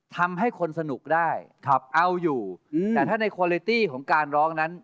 ทำให้คนสนุกได้เอาอยู่แต่ถ้าในคอเลตี้ของการร้องนั้น